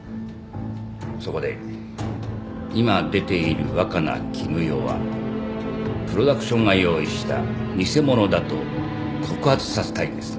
そこで今出ている若菜絹代はプロダクションが用意した偽者だと告発させたいんです。